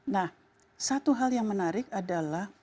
nah satu hal yang menarik adalah